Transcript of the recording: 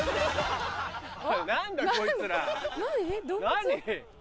何？